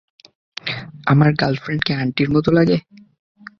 আমার গার্লফ্রেন্ডকে আন্টির মতো লাগে?